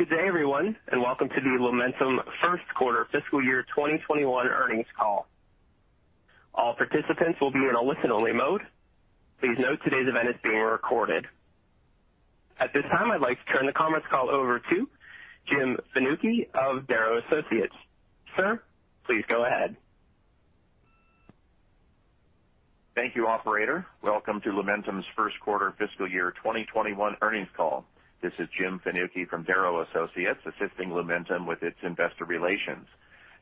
Good day, everyone, welcome to the Lumentum First Quarter Fiscal Year 2021 Earnings Call. All participants will be in a listen-only mode. Please note today's event is being recorded. At this time, I'd like to turn the conference call over to Jim Fanucchi of Darrow Associates. Sir, please go ahead. Thank you, operator. Welcome to Lumentum's First Quarter Fiscal Year 2021 Earnings Call. This is Jim Fanucchi from Darrow Associates, assisting Lumentum with its investor relations.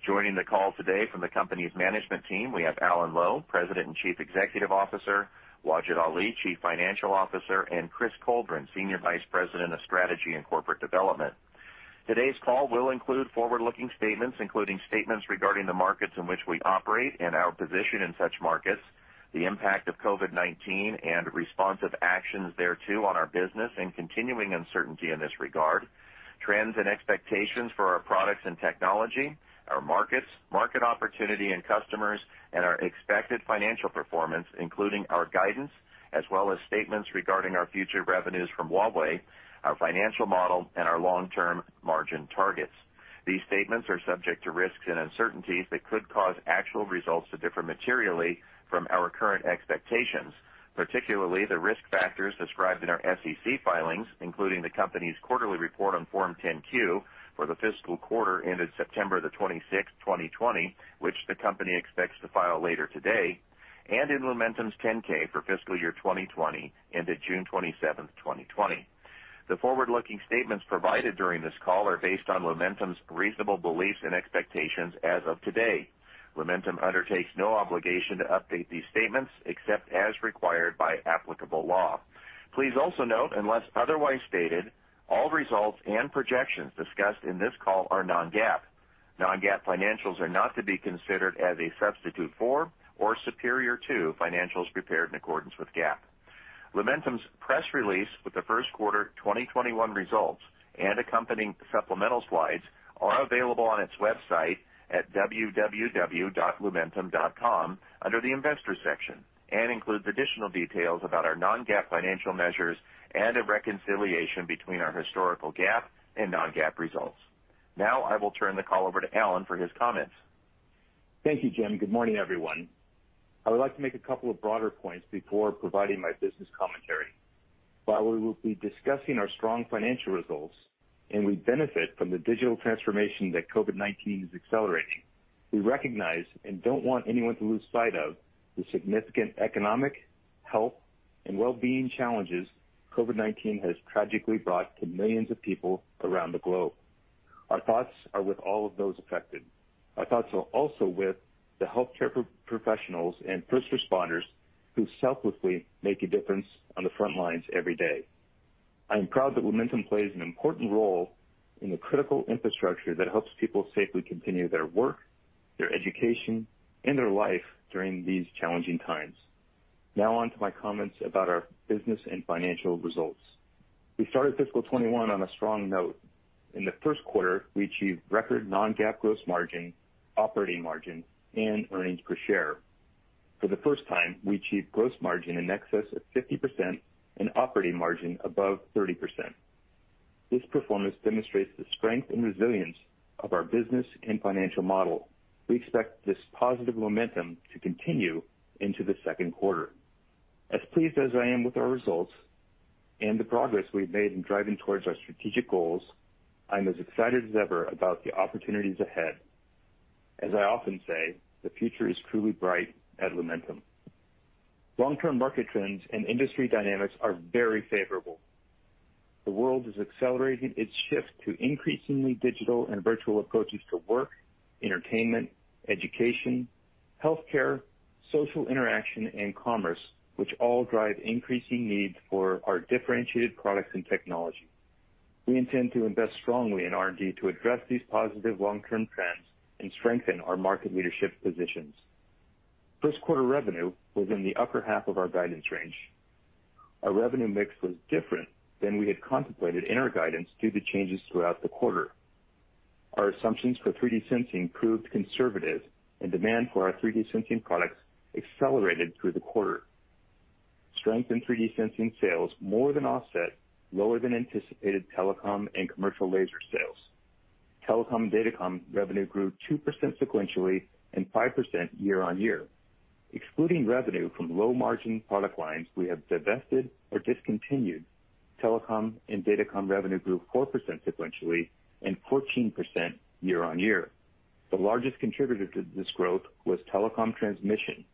Joining the call today from the company's management team, we have Alan Lowe, President and Chief Executive Officer, Wajid Ali, Chief Financial Officer, and Chris Coldren, Senior Vice President of Strategy and Corporate Development. Today's call will include forward-looking statements, including statements regarding the markets in which we operate and our position in such markets, the impact of COVID-19 and responsive actions thereto on our business and continuing uncertainty in this regard, trends and expectations for our products and technology, our markets, market opportunity and customers, and our expected financial performance, including our guidance, as well as statements regarding our future revenues from Huawei, our financial model, and our long-term margin targets. These statements are subject to risks and uncertainties that could cause actual results to differ materially from our current expectations, particularly the risk factors described in our SEC filings, including the company's quarterly report on Form 10-Q for the fiscal quarter ended September the 26th, 2020, which the company expects to file later today, and in Lumentum's 10-K for fiscal year 2020, ended June 27th, 2020. The forward-looking statements provided during this call are based on Lumentum's reasonable beliefs and expectations as of today. Lumentum undertakes no obligation to update these statements except as required by applicable law. Please also note, unless otherwise stated, all results and projections discussed in this call are non-GAAP. Non-GAAP financials are not to be considered as a substitute for or superior to financials prepared in accordance with GAAP. Lumentum's press release with the first quarter 2021 results and accompanying supplemental slides are available on its website at www.lumentum.com under the Investors section and includes additional details about our non-GAAP financial measures and a reconciliation between our historical GAAP and non-GAAP results. Now I will turn the call over to Alan for his comments. Thank you, Jim. Good morning, everyone. I would like to make a couple of broader points before providing my business commentary. While we will be discussing our strong financial results and we benefit from the digital transformation that COVID-19 is accelerating, we recognize and don't want anyone to lose sight of the significant economic, health, and well-being challenges COVID-19 has tragically brought to millions of people around the globe. Our thoughts are with all of those affected. Our thoughts are also with the healthcare professionals and first responders who selflessly make a difference on the front lines every day. I am proud that Lumentum plays an important role in the critical infrastructure that helps people safely continue their work, their education, and their life during these challenging times. Now on to my comments about our business and financial results. We started fiscal 2021 on a strong note. In the first quarter, we achieved record non-GAAP gross margin, operating margin, and earnings per share. For the first time, we achieved gross margin in excess of 50%, and operating margin above 30%. This performance demonstrates the strength and resilience of our business and financial model. We expect this positive momentum to continue into the second quarter. As pleased as I am with our results and the progress we've made in driving towards our strategic goals, I'm as excited as ever about the opportunities ahead. As I often say, the future is truly bright at Lumentum. Long-term market trends and industry dynamics are very favorable. The world is accelerating its shift to increasingly digital and virtual approaches to work, entertainment, education, healthcare, social interaction, and commerce, which all drive increasing need for our differentiated products and technology. We intend to invest strongly in R&D to address these positive long-term trends and strengthen our market leadership positions. First quarter revenue was in the upper half of our guidance range. Our revenue mix was different than we had contemplated in our guidance due to changes throughout the quarter. Our assumptions for 3D sensing proved conservative, and demand for our 3D sensing products accelerated through the quarter. Strength in 3D sensing sales more than offset lower-than-anticipated telecom and commercial laser sales. Telecom and datacom revenue grew 2%, sequentially and 5%, year-on-year. Excluding revenue from low-margin product lines we have divested or discontinued, telecom and datacom revenue grew 4%, sequentially and 14%, year-on-year. The largest contributor to this growth was telecom transmission.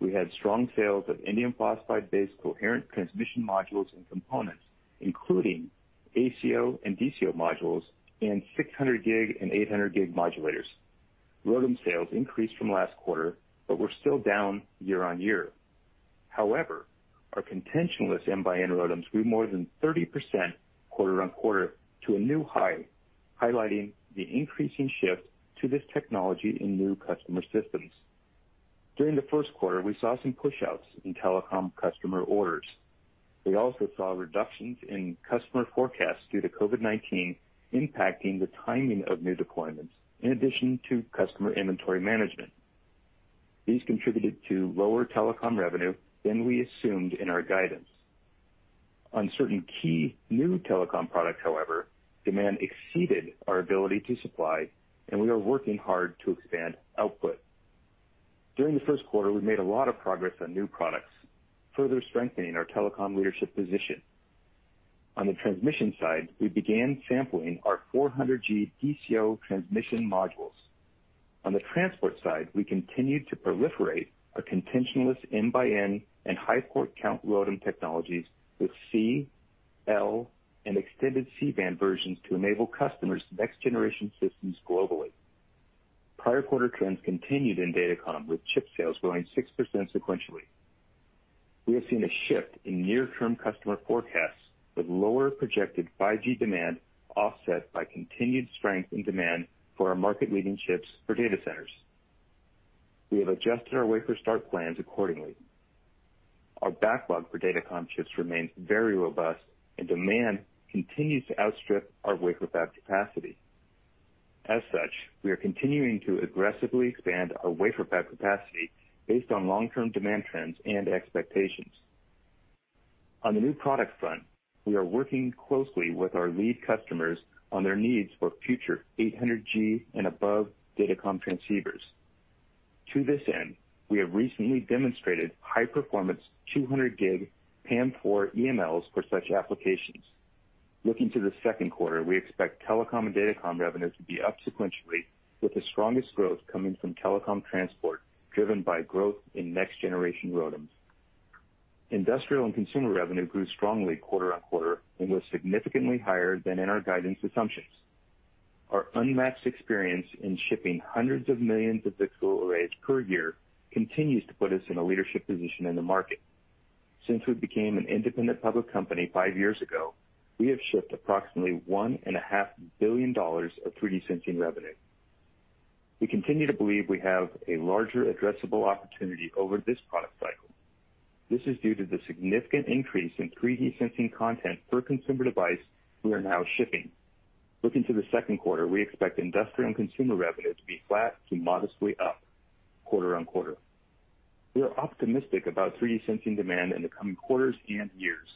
We had strong sales of indium phosphide-based coherent transmission modules and components, including ACO and DCO modules and 600G and 800G modulators. ROADM sales increased from last quarter but were still down year-over-year. Our contentionless M-by-N ROADMs grew more than 30%, quarter-over-quarter to a new high, highlighting the increasing shift to this technology in new customer systems. During the first quarter, we saw some pushouts in telecom customer orders. We also saw reductions in customer forecasts due to COVID-19 impacting the timing of new deployments in addition to customer inventory management. These contributed to lower telecom revenue than we assumed in our guidance. On certain key new telecom products, however, demand exceeded our ability to supply, and we are working hard to expand output. During the first quarter, we made a lot of progress on new products, further strengthening our telecom leadership position. On the transmission side, we began sampling our 400G DCO transmission modules. On the transport side, we continued to proliferate our contentionless N-by-N and high port count ROADM technologies with C, L and extended C-band versions to enable customers' next-generation systems globally. Prior quarter trends continued in datacom, with chip sales growing 6% sequentially. We have seen a shift in near-term customer forecasts, with lower projected 5G demand offset by continued strength in demand for our market-leading chips for data centers. We have adjusted our wafer start plans accordingly. Our backlog for datacom chips remains very robust, and demand continues to outstrip our wafer fab capacity. As such, we are continuing to aggressively expand our wafer fab capacity based on long-term demand trends and expectations. On the new product front, we are working closely with our lead customers on their needs for future 800G and above datacom transceivers. To this end, we have recently demonstrated high-performance 200G PAM4 EMLs for such applications. Looking to the second quarter, we expect telecom and datacom revenues to be up sequentially, with the strongest growth coming from telecom transport, driven by growth in next-generation ROADMs. Industrial and consumer revenue grew strongly quarter-over-quarter and was significantly higher than in our guidance assumptions. Our unmatched experience in shipping hundreds of millions of VCSEL arrays per year continues to put us in a leadership position in the market. Since we became an independent public company five years ago, we have shipped approximately $1.5 billion of 3D sensing revenue. We continue to believe we have a larger addressable opportunity over this product cycle. This is due to the significant increase in 3D sensing content per consumer device we are now shipping. Looking to the second quarter, we expect industrial and consumer revenue to be flat to modestly up quarter-over-quarter. We are optimistic about 3D sensing demand in the coming quarters and years.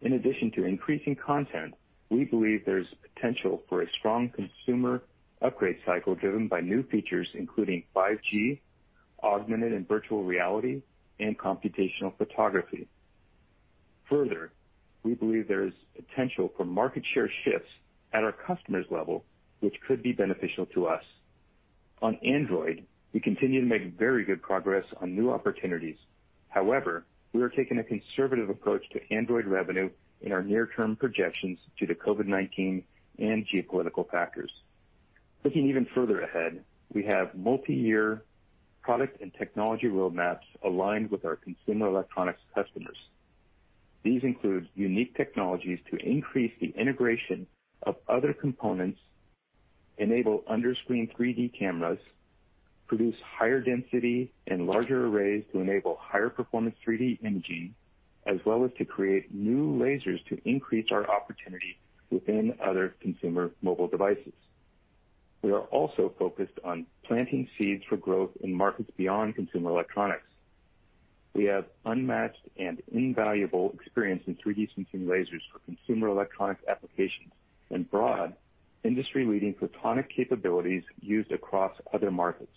In addition to increasing content, we believe there's potential for a strong consumer upgrade cycle driven by new features including 5G, augmented and virtual reality, and computational photography. Further, we believe there is potential for market share shifts at our customers' level, which could be beneficial to us. On Android, we continue to make very good progress on new opportunities. However, we are taking a conservative approach to Android revenue in our near-term projections due to COVID-19 and geopolitical factors. Looking even further ahead, we have multi-year product and technology roadmaps aligned with our consumer electronics customers. These include unique technologies to increase the integration of other components, enable under-screen 3D cameras, produce higher density and larger arrays to enable higher performance 3D imaging, as well as to create new lasers to increase our opportunity within other consumer mobile devices. We are also focused on planting seeds for growth in markets beyond consumer electronics. We have unmatched and invaluable experience in 3D sensing lasers for consumer electronics applications and broad industry-leading photonic capabilities used across other markets.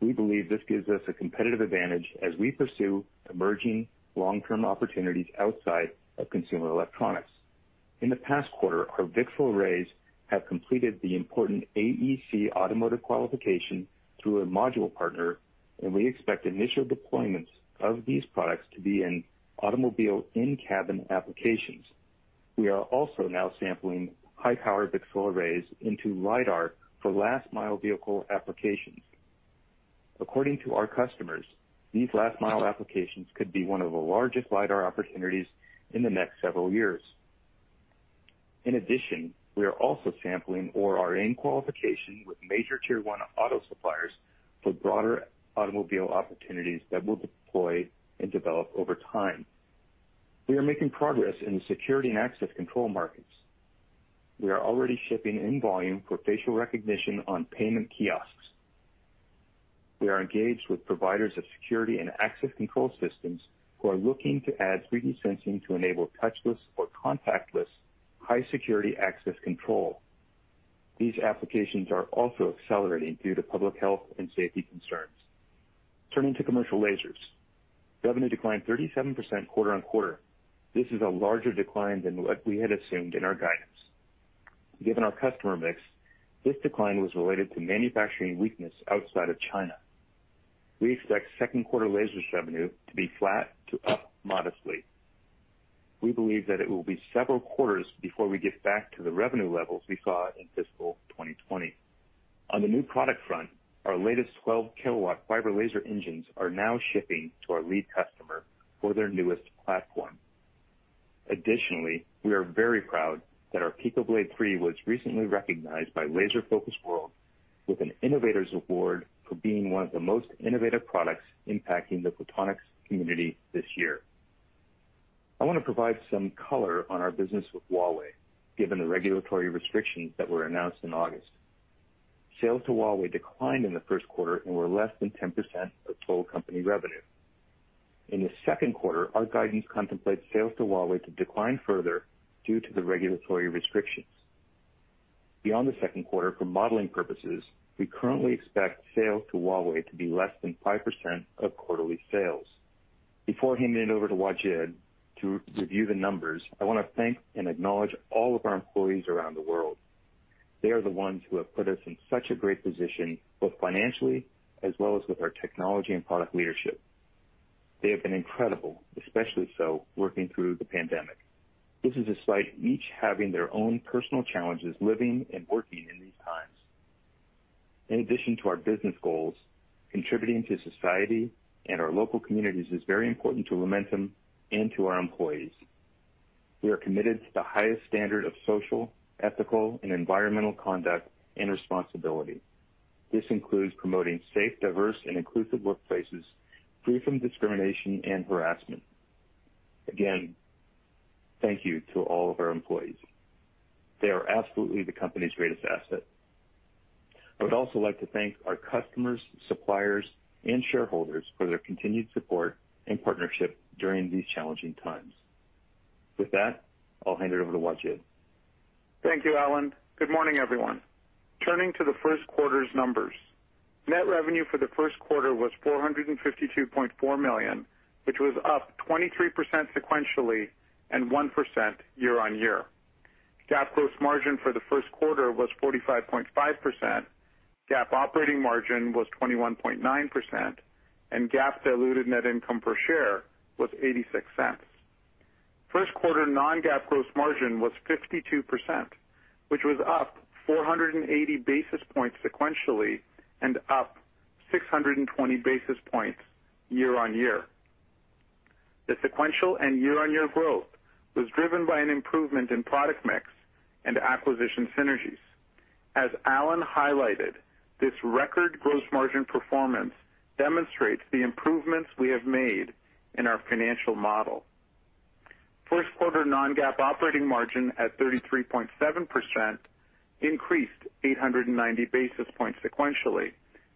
We believe this gives us a competitive advantage as we pursue emerging long-term opportunities outside of consumer electronics. In the past quarter, our VCSEL arrays have completed the important AEC automotive qualification through a module partner, and we expect initial deployments of these products to be in automobile in-cabin applications. We are also now sampling high-powered VCSEL arrays into lidar for last-mile vehicle applications. According to our customers, these last-mile applications could be one of the largest lidar opportunities in the next several years. We are also sampling or are in qualification with major Tier 1 auto suppliers for broader automobile opportunities that will deploy and develop over time. We are making progress in the security and access control markets. We are already shipping in volume for facial recognition on payment kiosks. We are engaged with providers of security and access control systems who are looking to add 3D sensing to enable touchless or contactless high-security access control. These applications are also accelerating due to public health and safety concerns. Turning to commercial lasers. Revenue declined 37%, quarter-over-quarter. This is a larger decline than what we had assumed in our guidance. Given our customer mix, this decline was related to manufacturing weakness outside of China. We expect second quarter lasers revenue to be flat to up modestly. We believe that it will be several quarters before we get back to the revenue levels we saw in fiscal 2020. On the new product front, our latest 12-kilowatt fiber laser engines are now shipping to our lead customer for their newest platform. Additionally, we are very proud that our PicoBlade III was recently recognized by Laser Focus World with an Innovators Award for being one of the most innovative products impacting the photonics community this year. I want to provide some color on our business with Huawei, given the regulatory restrictions that were announced in August. Sales to Huawei declined in the first quarter and were less than 10%, of total company revenue. In the second quarter, our guidance contemplates sales to Huawei to decline further due to the regulatory restrictions. Beyond the second quarter, for modeling purposes, we currently expect sales to Huawei to be less than 5%, of quarterly sales. Before handing it over to Wajid, to review the numbers, I want to thank and acknowledge all of our employees around the world. They are the ones who have put us in such a great position, both financially as well as with our technology and product leadership. They have been incredible, especially so working through the pandemic. This is despite each having their own personal challenges living and working in these times. In addition to our business goals, contributing to society and our local communities is very important to Lumentum and to our employees. We are committed to the highest standard of social, ethical, and environmental conduct and responsibility. This includes promoting safe, diverse, and inclusive workplaces free from discrimination and harassment. Again, thank you to all of our employees. They are absolutely the company's greatest asset. I would also like to thank our customers, suppliers, and shareholders for their continued support and partnership during these challenging times. With that, I'll hand it over to Wajid. Thank you, Alan. Good morning, everyone. Turning to the first quarter's numbers. Net revenue for the first quarter was $452.4 million, which was up 23%, sequentially and 1%, year-on-year. GAAP gross margin for the first quarter was 45.5%, GAAP operating margin was 21.9%, and GAAP diluted net income per share was $0.86. First quarter non-GAAP gross margin was 52%, which was up 480 basis points sequentially and up 620 basis points year-on-year. The sequential and year-on-year growth was driven by an improvement in product mix and acquisition synergies. As Alan highlighted, this record gross margin performance demonstrates the improvements we have made in our financial model. First quarter non-GAAP operating margin at 33.7%, increased 890 basis points sequentially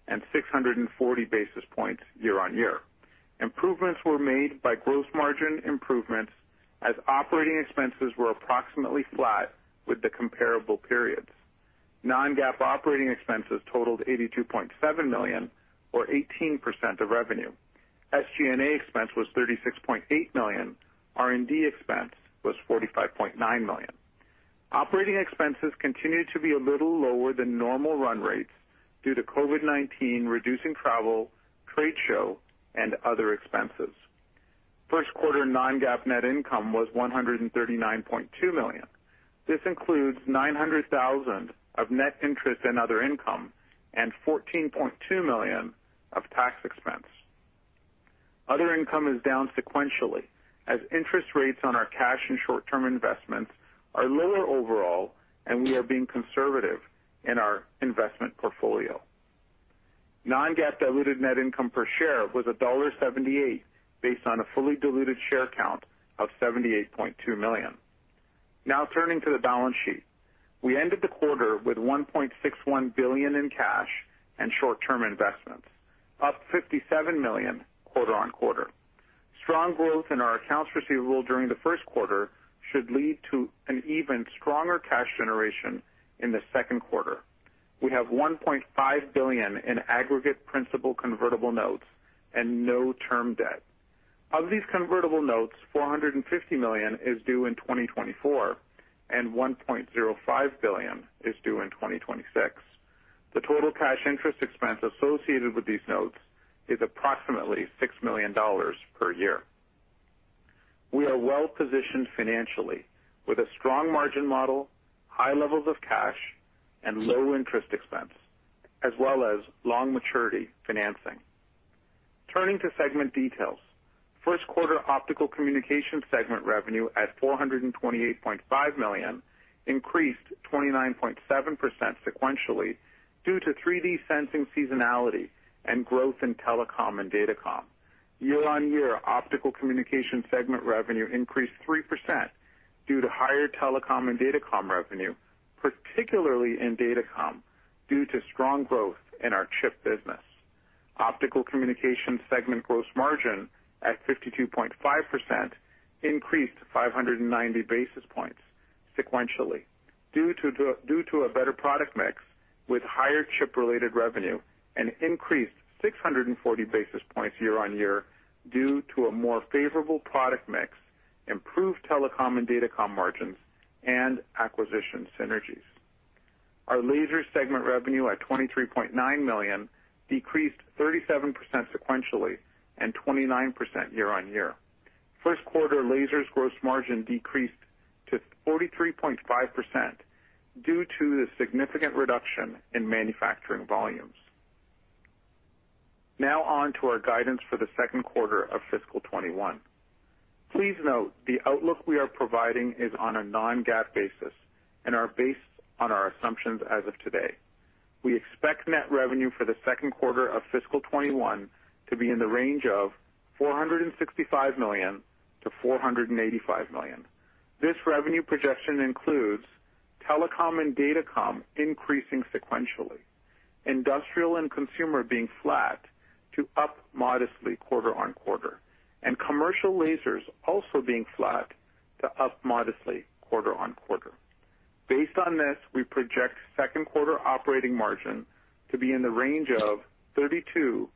and 640 basis points year-on-year. Improvements were made by gross margin improvements as operating expenses were approximately flat with the comparable periods. Non-GAAP operating expenses totaled $82.7 million or 18% of revenue. SG&A expense was $36.8 million, R&D expense was $45.9 million. Operating expenses continued to be a little lower than normal run rates due to COVID-19 reducing travel, trade show, and other expenses. First quarter non-GAAP net income was $139.2 million. This includes $900,000 of net interest and other income and $14.2 million of tax expense. Other income is down sequentially as interest rates on our cash and short-term investments are lower overall, and we are being conservative in our investment portfolio. Non-GAAP diluted net income per share was $1.78, based on a fully diluted share count of 78.2 million. Turning to the balance sheet. We ended the quarter with $1.61 billion in cash and short-term investments, up $57 million quarter-on-quarter. Strong growth in our accounts receivable during the first quarter should lead to an even stronger cash generation in the second quarter. We have $1.5 billion in aggregate principal convertible notes and no term debt. Of these convertible notes, $450 million is due in 2024, and $1.05 billion is due in 2026. The total cash interest expense associated with these notes is approximately $6 million per year. We are well-positioned financially with a strong margin model, high levels of cash, and low interest expense, as well as long maturity financing. Turning to segment details. First quarter Optical Communications segment revenue at $428.5 million increased 29.7%, sequentially due to 3D sensing seasonality and growth in telecom and datacom. Year-over-year, Optical Communications segment revenue increased 3%, due to higher telecom and datacom revenue, particularly in datacom, due to strong growth in our chip business. Optical Communications segment gross margin at 52.5%, increased 590 basis points sequentially due to a better product mix with higher chip-related revenue and increased 640 basis points year-on-year due to a more favorable product mix, improved telecom and datacom margins, and acquisition synergies. Our Laser segment revenue at $23.9 million decreased 37%, sequentially and 29%, year-on-year. First quarter Laser segment gross margin decreased to 43.5%, due to the significant reduction in manufacturing volumes. On to our guidance for the second quarter of fiscal 2021. Please note the outlook we are providing is on a non-GAAP basis and are based on our assumptions as of today. We expect net revenue for the second quarter of fiscal 2021 to be in the range of $465 million-$485 million. This revenue projection includes telecom and datacom increasing sequentially, industrial and consumer being flat to up modestly quarter-on-quarter, and commercial lasers also being flat to up modestly quarter-on-quarter. Based on this, we project second quarter operating margin to be in the range of 32%-34%,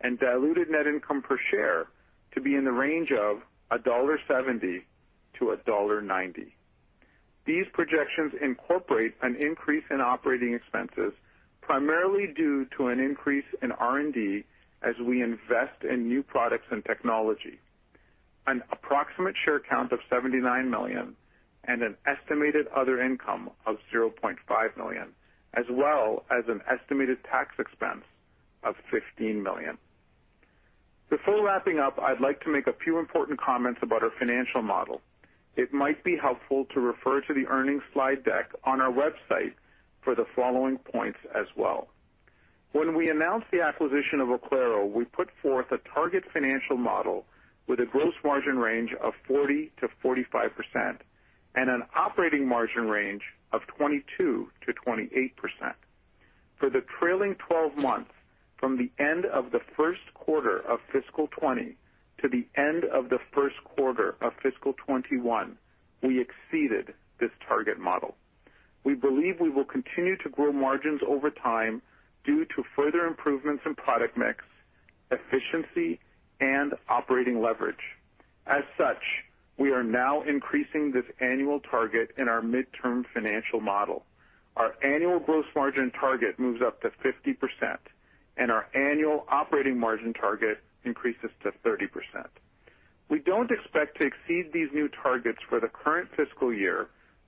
and diluted net income per share to be in the range of $1.70-$1.90. These projections incorporate an increase in operating expenses, primarily due to an increase in R&D as we invest in new products and technology, an approximate share count of 79 million, and an estimated other income of $0.5 million, as well as an estimated tax expense of $15 million. Before wrapping up, I'd like to make a few important comments about our financial model. It might be helpful to refer to the earnings slide deck on our website for the following points as well. When we announced the acquisition of Oclaro, we put forth a target financial model with a gross margin range of 40%-45%, and an operating margin range of 22%-28%. For the trailing 12 months from the end of the first quarter of fiscal 2020 to the end of the first quarter of fiscal 2021, we exceeded this target model. We believe we will continue to grow margins over time due to further improvements in product mix, efficiency, and operating leverage. As such, we are now increasing this annual target in our midterm financial model. Our annual gross margin target moves up to 50%, and our annual operating margin target increases to 30%. We don't expect to exceed these new targets for the current fiscal year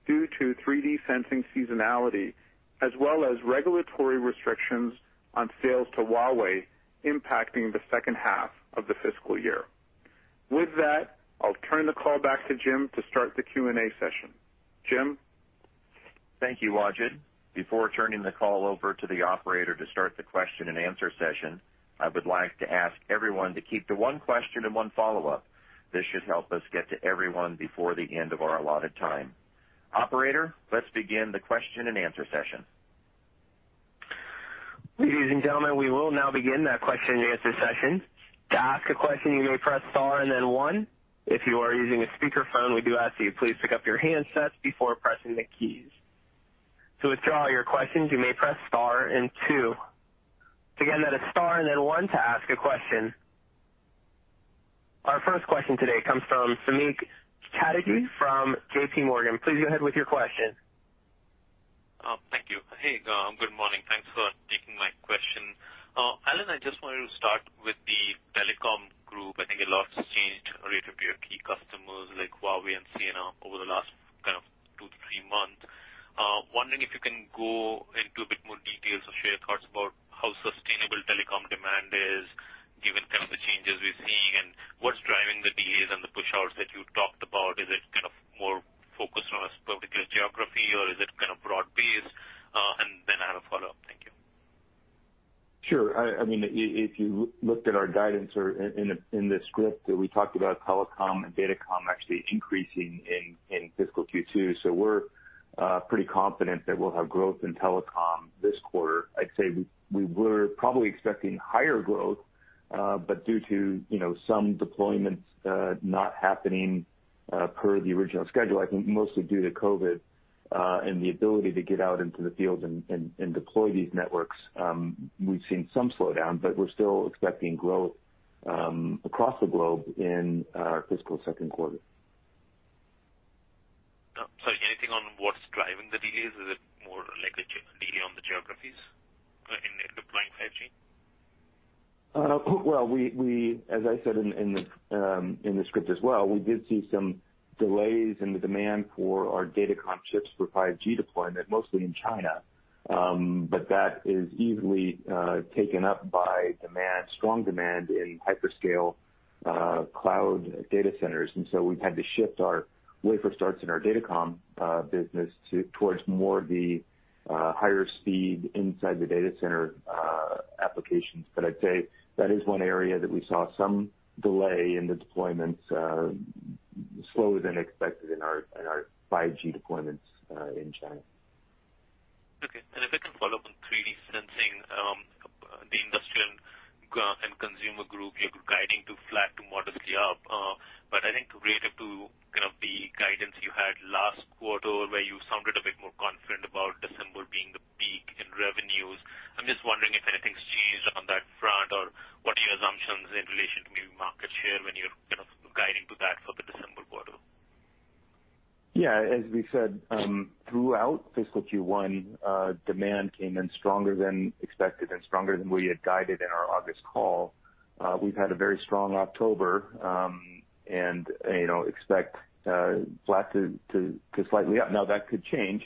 due to 3D sensing seasonality, as well as regulatory restrictions on sales to Huawei impacting the second half of the fiscal year. With that, I'll turn the call back to Jim to start the Q&A session. Jim? Thank you, Wajid. Before turning the call over to the operator to start the question and answer session, I would like to ask everyone to keep to one question and one follow-up. This should help us get to everyone before the end of our allotted time. Operator, let's begin the question and answer session. Ladies and gentlemen, we will now begin the question and answer session. Our first question today comes from Samik Chatterjee from J.P. Morgan. Please go ahead with your question. Thank you. Hey, good morning. Thanks for taking my question. Alan, I just wanted to start with the telecom group. I think a lot's changed relative to your key customers like Huawei and Ciena over the last two to three months. Wondering if you can go into a bit more details or share your thoughts about how sustainable telecom demand is given the changes we're seeing, and what's driving the delays and the push outs that you talked about. Is it more focused on a particular geography, or is it broad-based? I have a follow-up. Thank you. Sure. If you looked at our guidance in the script, we talked about telecom and datacom actually increasing in fiscal Q2. We're pretty confident that we'll have growth in telecom this quarter. I'd say we were probably expecting higher growth, but due to some deployments not happening per the original schedule, I think mostly due to COVID-19 and the ability to get out into the field and deploy these networks, we've seen some slowdown, but we're still expecting growth across the globe in our fiscal second quarter. Sorry, anything on what's driving the delays? Is it more like a delay on the geographies in deploying 5G? Well, as I said in the script as well, we did see some delays in the demand for our datacom chips for 5G deployment, mostly in China. That is easily taken up by strong demand in hyperscale cloud data centers. We've had to shift our wafer starts in our datacom business towards more of the higher speed inside the data center applications. I'd say that is one area that we saw some delay in the deployments slower than expected in our 5G deployments in China. Okay. If I can follow up on 3D sensing, the industrial and consumer group, you're guiding to flat to modestly up. I think relative to the guidance you had last quarter where you sounded a bit more confident about December being the peak in revenues, I'm just wondering if anything's changed on that front, or what are your assumptions in relation to new market share when you're guiding to that for the December quarter? As we said, throughout fiscal Q1, demand came in stronger than expected and stronger than we had guided in our August call. We've had a very strong October, expect flat to slightly up. That could change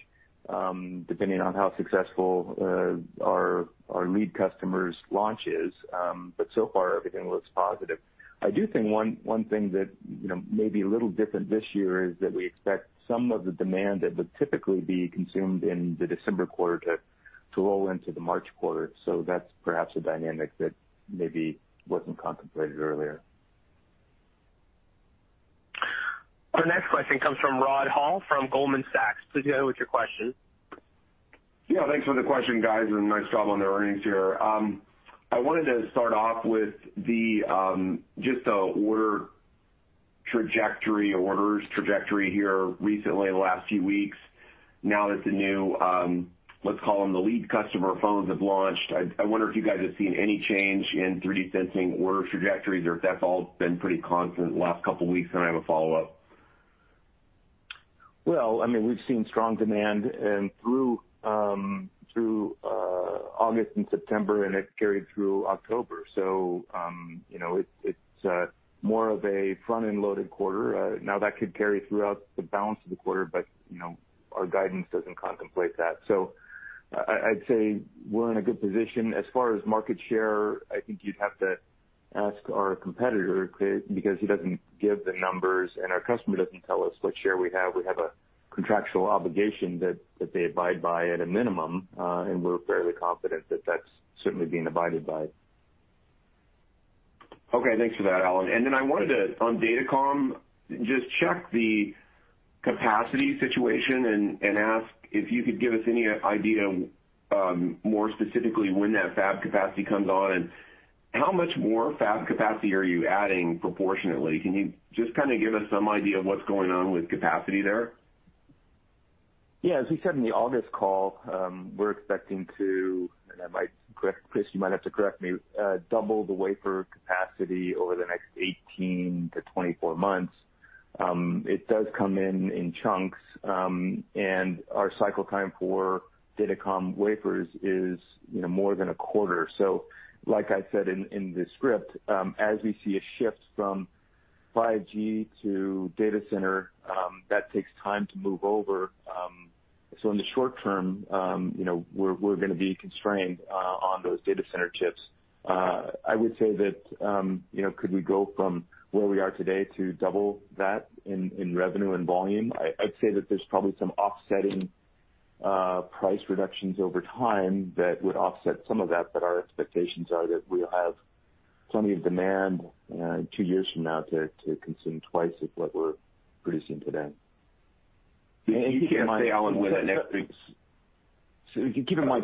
depending on how successful our lead customer's launch is. So far, everything looks positive. I do think one thing that may be a little different this year is that we expect some of the demand that would typically be consumed in the December quarter to To roll into the March quarter. That's perhaps a dynamic that maybe wasn't contemplated earlier. Our next question comes from Rod Hall from Goldman Sachs. Please go ahead with your question. Thanks for the question, guys. Nice job on the earnings here. I wanted to start off with just the orders trajectory here recently in the last few weeks, now that the new, let's call them the lead customer phones have launched. I wonder if you guys have seen any change in 3D sensing order trajectories, or if that's all been pretty constant the last couple of weeks. I have a follow-up. Well, we've seen strong demand through August and September. It carried through October. It's more of a front-end loaded quarter. Now, that could carry throughout the balance of the quarter. Our guidance doesn't contemplate that. I'd say we're in a good position. As far as market share, I think you'd have to ask our competitor because he doesn't give the numbers. Our customer doesn't tell us what share we have. We have a contractual obligation that they abide by at a minimum. We're fairly confident that that's certainly being abided by. Okay. Thanks for that, Alan. I wanted to, on datacom, just check the capacity situation and ask if you could give us any idea more specifically when that fab capacity comes on and how much more fab capacity are you adding proportionately. Can you just kind of give us some idea of what's going on with capacity there? Yeah. As we said in the August call, we're expecting to, and Chris, you might have to correct me, double the wafer capacity over the next 18 to 24 months. It does come in in chunks. Our cycle time for datacom wafers is more than a quarter. Like I said in the script, as we see a shift from 5G to data center, that takes time to move over. In the short term, we're going to be constrained on those data center chips. I would say that could we go from where we are today to double that in revenue and volume, I'd say that there's probably some offsetting price reductions over time that would offset some of that. Our expectations are that we'll have plenty of demand two years from now to consume twice of what we're producing today. You can't say, Alan, when the next. If you keep in mind,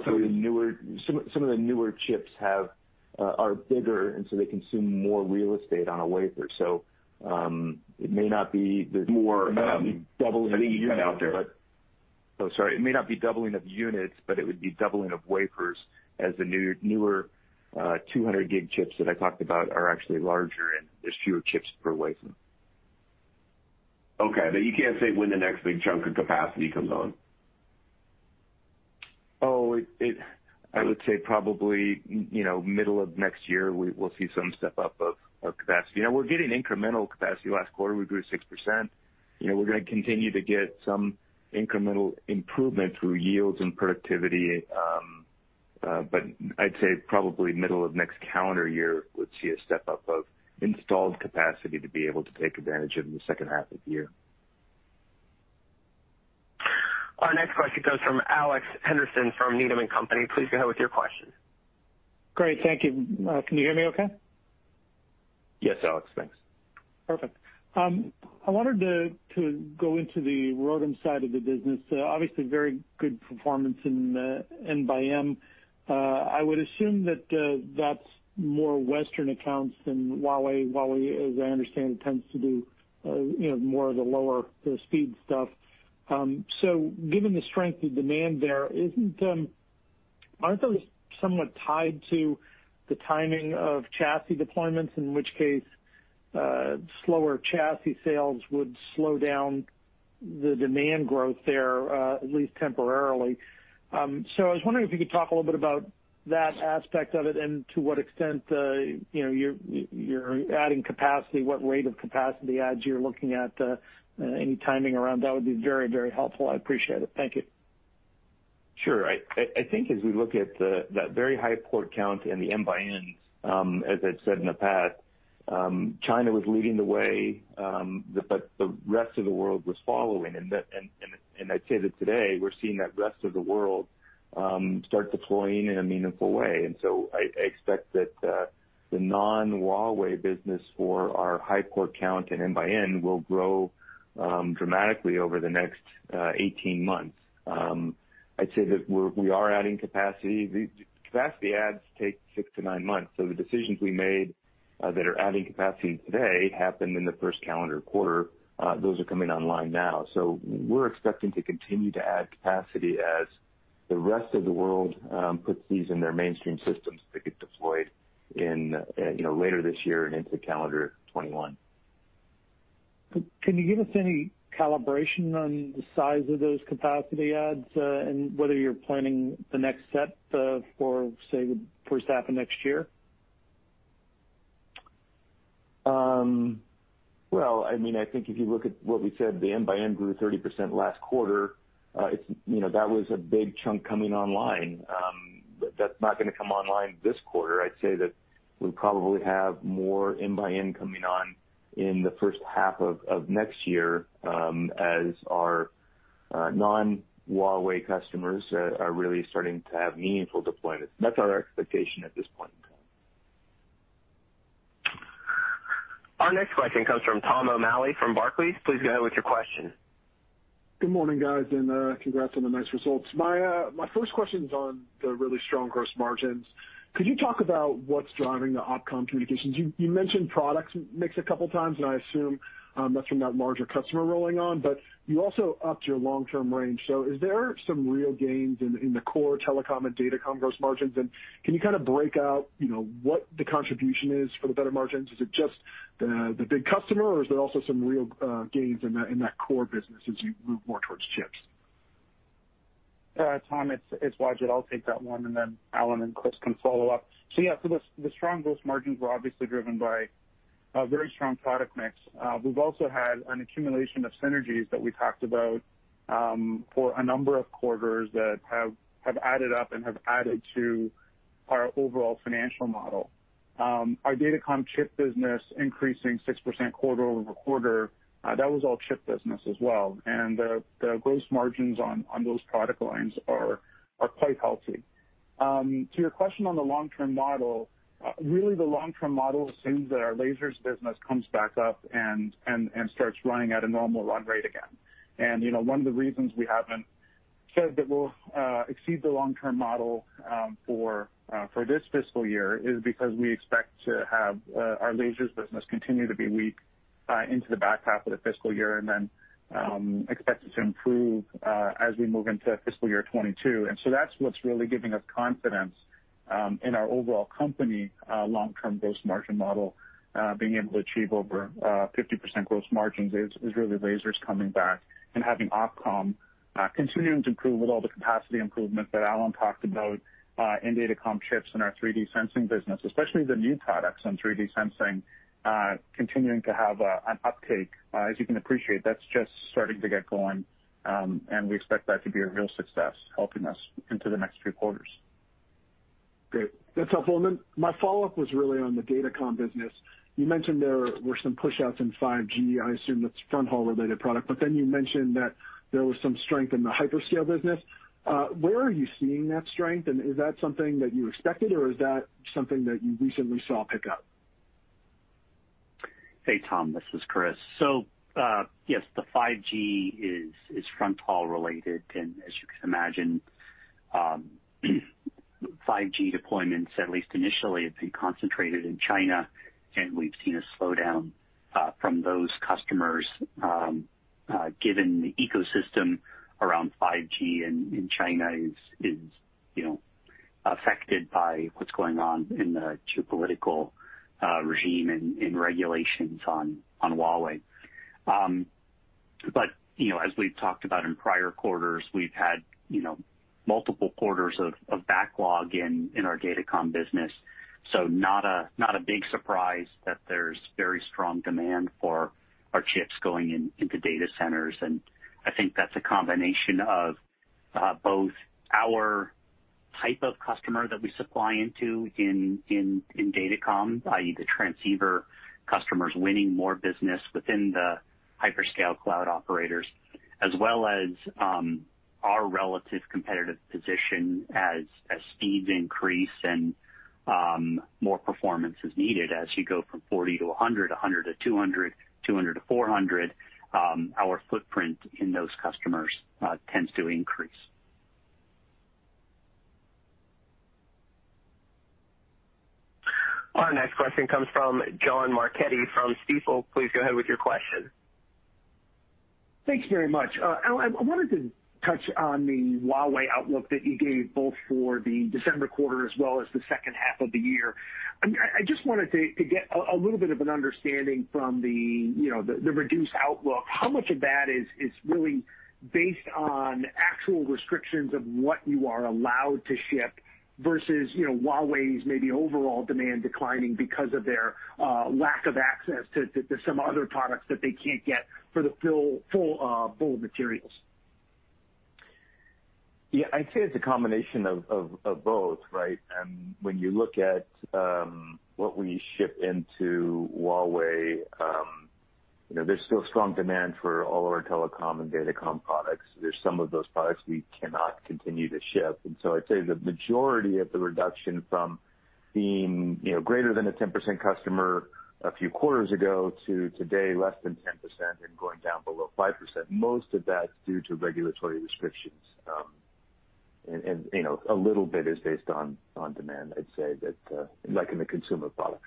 some of the newer chips are bigger, and so they consume more real estate on a wafer. It may not be the doubling of units. More unit out there. Oh, sorry. It may not be doubling of units, but it would be doubling of wafers as the newer 200 Gig chips that I talked about are actually larger and there's fewer chips per wafer. Okay. You can't say when the next big chunk of capacity comes on? I would say probably middle of next year, we'll see some step-up of capacity. We're getting incremental capacity. Last quarter, we grew 6%. We're going to continue to get some incremental improvement through yields and productivity. I'd say probably middle of next calendar year would see a step-up of installed capacity to be able to take advantage of in the second half of the year. Our next question goes from Alex Henderson from Needham & Company. Please go ahead with your question. Great. Thank you. Can you hear me okay? Yes, Alex. Thanks. Perfect. I wanted to go into the ROADM side of the business. Obviously very good performance in N-by-N. I would assume that that's more Western accounts than Huawei. Huawei, as I understand it, tends to do more of the lower speed stuff. Given the strength of demand there, aren't those somewhat tied to the timing of chassis deployments, in which case slower chassis sales would slow down the demand growth there, at least temporarily? I was wondering if you could talk a little bit about that aspect of it and to what extent you're adding capacity, what rate of capacity adds you're looking at, any timing around that would be very, very helpful. I appreciate it. Thank you. Sure. I think as we look at that very high port count in the N-by-N, as I've said in the past, China was leading the way, but the rest of the world was following, and I'd say that today we're seeing that rest of the world start deploying in a meaningful way. I expect that the non-Huawei business for our high port count and N-by-N will grow dramatically over the next 18 months. I'd say that we are adding capacity. The capacity adds take six to nine months, so the decisions we made that are adding capacity today happened in the first calendar quarter. Those are coming online now. We're expecting to continue to add capacity as the rest of the world puts these in their mainstream systems to get deployed later this year and into calendar 2021. Can you give us any calibration on the size of those capacity adds and whether you're planning the next set for, say, the first half of next year? Well, I think if you look at what we said, the N-by-N grew 30%, last quarter. That was a big chunk coming online. That's not going to come online this quarter. I'd say that we probably have more N-by-N coming on in the first half of next year, as our non-Huawei customers are really starting to have meaningful deployments. That's our expectation at this point in time. Our next question comes from Tom O'Malley from Barclays. Please go ahead with your question. Good morning, guys. Congrats on the nice results. My first question's on the really strong gross margins. Could you talk about what's driving the OpCom communications? You mentioned product mix a couple times, and I assume that's from that larger customer rolling on, but you also upped your long-term range. Is there some real gains in the core telecom and data comm gross margins? Can you break out what the contribution is for the better margins? Is it just the big customer, or is there also some real gains in that core business as you move more towards chips? Tom, it's Wajid. I'll take that one, and then Alan and Chris can follow up. Yeah, the strong gross margins were obviously driven by a very strong product mix. We've also had an accumulation of synergies that we've talked about for a number of quarters that have added up and have added to our overall financial model. Our datacom chip business increasing 6%, quarter-over-quarter, that was all chip business as well. The gross margins on those product lines are quite healthy. To your question on the long-term model, really the long-term model assumes that our lasers business comes back up and starts running at a normal run rate again. One of the reasons we haven't said that we'll exceed the long-term model for this fiscal year is because we expect to have our lasers business continue to be weak into the back half of the fiscal year, then expect it to improve as we move into fiscal year 2022. That's what's really giving us confidence in our overall company long-term gross margin model. Being able to achieve over 50%, gross margins is really lasers coming back and having OpCom continuing to improve with all the capacity improvement that Alan talked about in data comm chips and our 3D sensing business, especially the new products on 3D sensing continuing to have an uptake. As you can appreciate, that's just starting to get going, and we expect that to be a real success helping us into the next few quarters. Great. That's helpful. My follow-up was really on the data comm business. You mentioned there were some pushouts in 5G. I assume that's fronthaul related product. You mentioned that there was some strength in the hyperscale business. Where are you seeing that strength, is that something that you expected, or is that something that you recently saw pick up? Hey, Tom, this is Chris. Yes, the 5G is fronthaul related, and as you can imagine, 5G deployments, at least initially, have been concentrated in China, and we've seen a slowdown from those customers, given the ecosystem around 5G in China is affected by what's going on in the geopolitical regime and in regulations on Huawei. As we've talked about in prior quarters, we've had multiple quarters of backlog in our data comm business. Not a big surprise that there's very strong demand for our chips going into data centers. I think that's a combination of both our type of customer that we supply into in data comm, i.e., the transceiver customers winning more business within the hyperscale cloud operators, as well as our relative competitive position as speeds increase and more performance is needed. As you go from 40 to 100 to 200 to 400, our footprint in those customers tends to increase. Our next question comes from John Marchetti from Stifel. Please go ahead with your question. Thanks very much. Alan, I wanted to touch on the Huawei outlook that you gave both for the December quarter as well as the second half of the year. I just wanted to get a little bit of an understanding from the reduced outlook. How much of that is really based on actual restrictions of what you are allowed to ship versus Huawei's maybe overall demand declining because of their lack of access to some other products that they can't get for the full bill of materials? Yeah, I'd say it's a combination of both, right? When you look at what we ship into Huawei, there's still strong demand for all of our telecom and datacom products. There's some of those products we cannot continue to ship. I'd say the majority of the reduction from being greater than a 10%, customer a few quarters ago to today less than 10%, and going down below 5%, most of that's due to regulatory restrictions. A little bit is based on demand, I'd say that, like in the consumer products.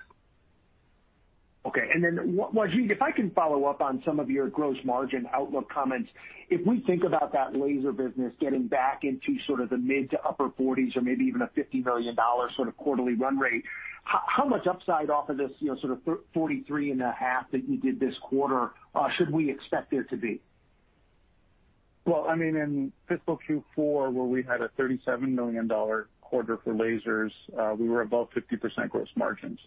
Okay. Wajid, if I can follow up on some of your gross margin outlook comments. If we think about that laser business getting back into sort of the mid to upper 40's or maybe even a $50 million sort of quarterly run rate, how much upside off of this sort of 43.5%, that you did this quarter should we expect there to be? Well, I mean, in fiscal Q4, where we had a $37 million quarter for lasers, we were above 50%, gross margins.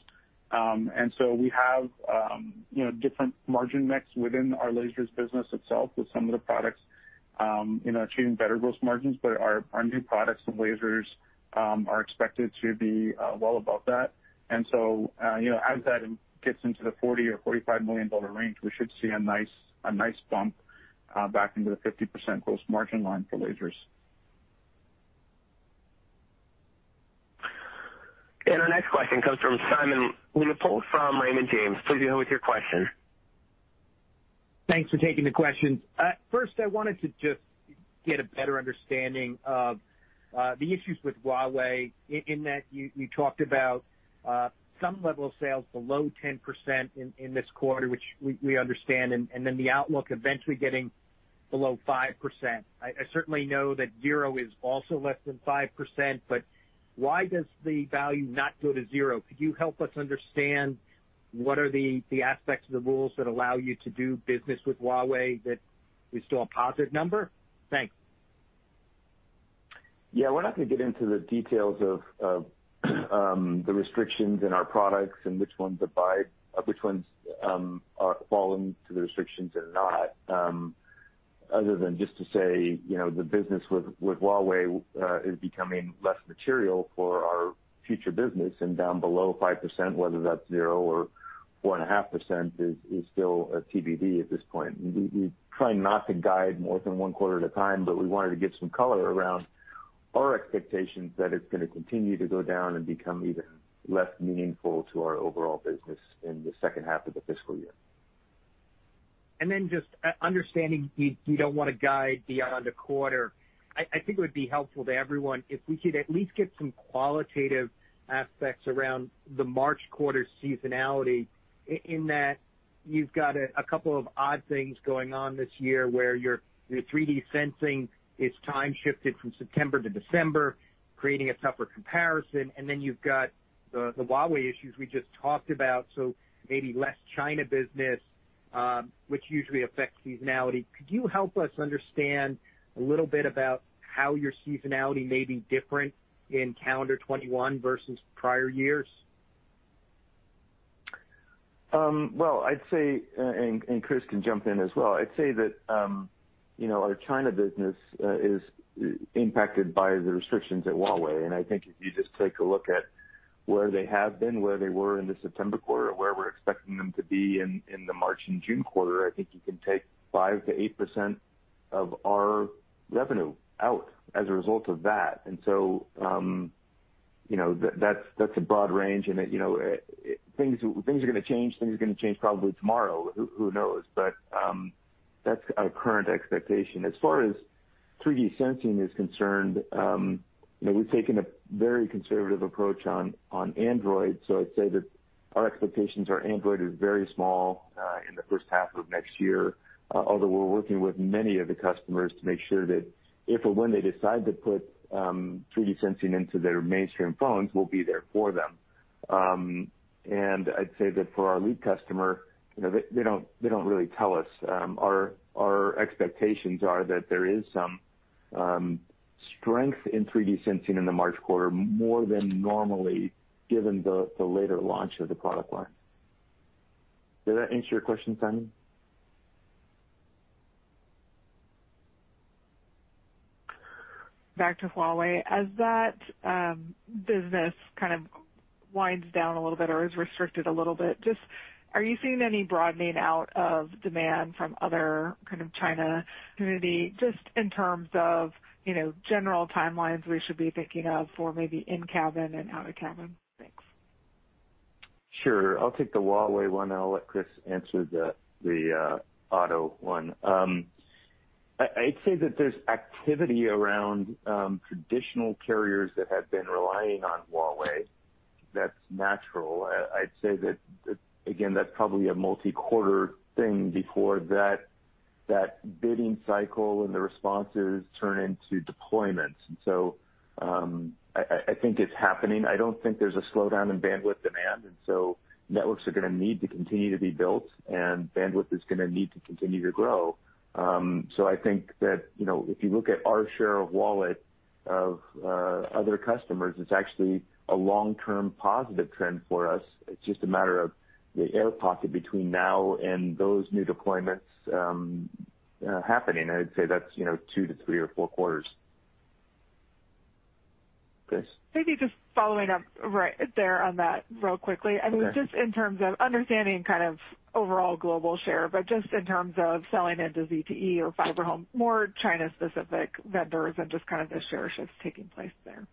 We have different margin mix within our lasers business itself, with some of the products achieving better gross margins. Our new products and lasers are expected to be well above that. As that gets into the $40 million or $45 million range, we should see a nice bump back into the 50%, gross margin line for lasers. Our next question comes from Simon Leopold from Raymond James. Please go ahead with your question. I wanted to just get a better understanding of the issues with Huawei in that you talked about some level of sales below 10%, in this quarter, which we understand, and then the outlook eventually getting below 5%. I certainly know that zero is also less than 5%, why does the value not go to zero? Could you help us understand what are the aspects of the rules that allow you to do business with Huawei that is still a positive number? Thanks. Yeah. We're not going to get into the details of the restrictions in our products and which ones fall into the restrictions and not, other than just to say, the business with Huawei is becoming less material for our future business and down below 5%, whether that's 0 or 1.5%, is still a TBD at this point. We wanted to give some color around our expectations that it's going to continue to go down and become even less meaningful to our overall business in the second half of the fiscal year. Just understanding you don't want to guide beyond a quarter. I think it would be helpful to everyone if we could at least get some qualitative aspects around the March quarter seasonality, in that you've got a couple of odd things going on this year where your 3D sensing is time shifted from September to December, creating a tougher comparison, and then you've got the Huawei issues we just talked about, so maybe less China business, which usually affects seasonality. Could you help us understand a little bit about how your seasonality may be different in calendar 2021 versus prior years? Well, I'd say, and Chris can jump in as well. I'd say that our China business is impacted by the restrictions at Huawei. I think if you just take a look at where they have been, where they were in the September quarter, and where we're expecting them to be in the March and June quarter, I think you can take 5%-8% of our revenue out as a result of that. That's a broad range and things are going to change probably tomorrow, who knows? That's our current expectation. As far as 3D sensing is concerned, we've taken a very conservative approach on Android. I'd say that our expectations are Android is very small in the first half of next year. Although we're working with many of the customers to make sure that if or when they decide to put 3D sensing into their mainstream phones, we'll be there for them. I'd say that for our lead customer, they don't really tell us. Our expectations are that there is some strength in 3D sensing in the March quarter, more than normally, given the later launch of the product line. Did that answer your question, Simon? Back to Huawei. As that business kind of winds down a little bit or is restricted a little bit, just are you seeing any broadening out of demand from other kind of China community, just in terms of general timelines we should be thinking of for maybe in-cabin and out-of-cabin? Thanks. Sure. I'll take the Huawei one, and I'll let Chris answer the auto one. I'd say that there's activity around traditional carriers that have been relying on Huawei. That's natural. I'd say that, again, that's probably a multi-quarter thing before that bidding cycle and the responses turn into deployments. I think it's happening. I don't think there's a slowdown in bandwidth demand, and so networks are going to need to continue to be built, and bandwidth is going to need to continue to grow. I think that if you look at our share of wallet of other customers, it's actually a long-term positive trend for us. It's just a matter of the air pocket between now and those new deployments happening. I'd say that's two to three or four quarters. Chris. Maybe just following up right there on that real quickly. Okay. Just in terms of understanding kind of overall global share, but just in terms of selling into ZTE or FiberHome, more China-specific vendors and just kind of the share shift taking place there.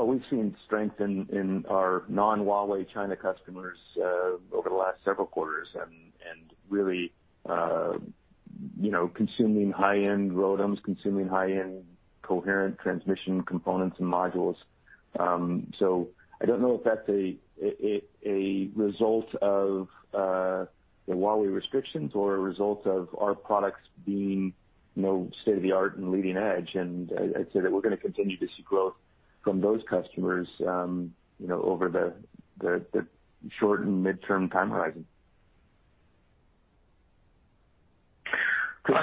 We've seen strength in our non-Huawei China customers over the last several quarters and really consuming high-end ROADMs, consuming high-end coherent transmission components and modules. I don't know if that's a result of the Huawei restrictions or a result of our products being state-of-the-art and leading edge, and I'd say that we're going to continue to see growth from those customers over the short and midterm time horizon.